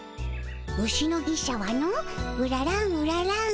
牛の牛車はのうららんうららん